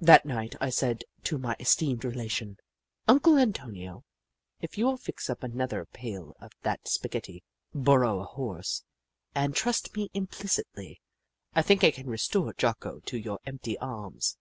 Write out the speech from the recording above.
That night I said to my esteemed relation :" Uncle Antonio, if you will fix up another pail of that spaghetti, borrow a Horse, and trust me implicitly, I think I can restore Jocko to your empty arms."